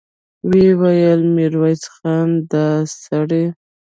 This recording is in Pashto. ويې ويل: ميرويس خانه! دآسړی پېژنې؟